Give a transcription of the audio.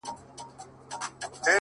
• هدیره مي د بابا ده پکښي جوړه ,